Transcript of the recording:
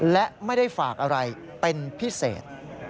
และไม่ได้ฝากอะไรเป็นพิเศษ